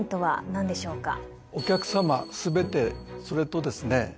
お客さま全てそれとですね